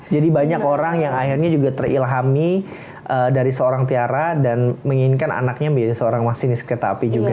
jadi banyak orang yang akhirnya juga terilhami dari seorang tiara dan menginginkan anaknya menjadi seorang masinis ketapi juga